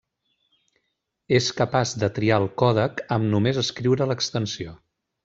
És capaç de triar el còdec amb només escriure l'extensió.